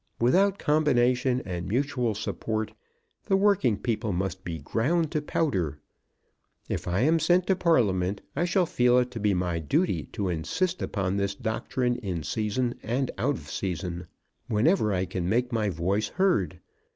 Without combination and mutual support the working people must be ground to powder. If I am sent to Parliament I shall feel it to be my duty to insist upon this doctrine in season and out of season, whenever I can make my voice heard.